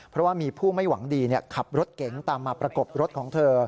เพราะว่ามีผู้ไม่หวังดีขับรถเก๋งตามมาประกบรถของเธอ